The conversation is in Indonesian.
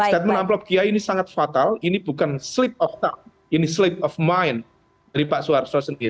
statement amplop kiai ini sangat fatal ini bukan slip of touch ini sleep of mind dari pak soeharto sendiri